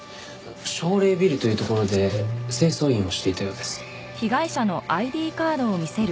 尚麗ビルというところで清掃員をしていたようです。